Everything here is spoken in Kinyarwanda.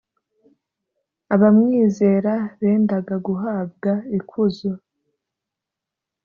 abamwizera bendaga guhabwa ikuzo